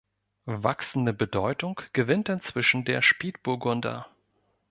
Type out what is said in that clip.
Wachsende Bedeutung gewinnt inzwischen der Spätburgunder.